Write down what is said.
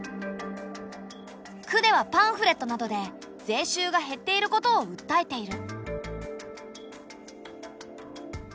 区ではパンフレットなどで税収が減っていることをうったえている。